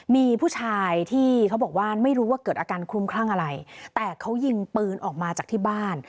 มีผู้ชายที่เขาบอกว่าไม่รู้ว่าเกิดอาการคลุมคลั่งอะไรแต่เขายิงปืนออกมาจากที่บ้าน